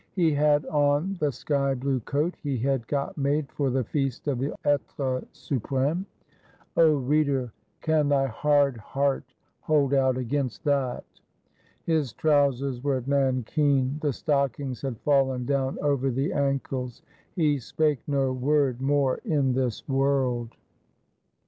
"He had on the sky blue coat he had got made for the Feast of the Etre Supreme" — 0 reader, can thy hard heart hold 341 FRANCE out against that? His trousers were nankeen; the stockings had fallen down over the ankles. He spake no word more in this world.